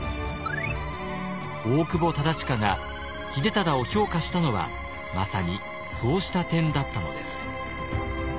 大久保忠隣が秀忠を評価したのはまさにそうした点だったのです。